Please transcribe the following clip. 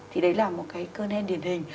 thì đấy là một cơn hen điển hình